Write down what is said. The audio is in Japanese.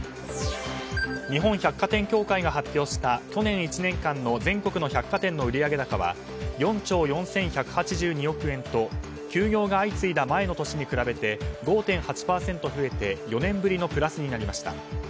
日本百貨店協会が発表した去年１年間の全国の百貨店の売上高は４兆４１８２億円と休業が相次いだ前の年に比べて５．８倍増えて４年ぶりのプラスになりました。